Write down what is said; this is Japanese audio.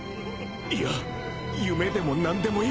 いや夢でも何でもいい。